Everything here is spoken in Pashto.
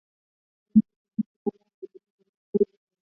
هغوی د صمیمي څپو لاندې د مینې ژورې خبرې وکړې.